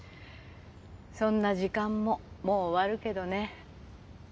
そんな時間ももう終わるけどね。